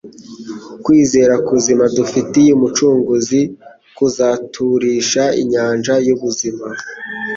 Kwizera kuzima dufitiye Umucunguzi kuzaturisha inyanja y'ubuzima